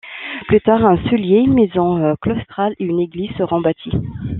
Plus tard, un cellier, une maison claustrale et une église seront bâtis.